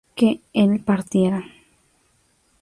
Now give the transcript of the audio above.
que él partiera